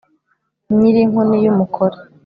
nyiri inkoni yu mukore,